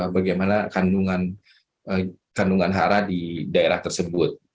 bagaimana kandungan hara di daerah tersebut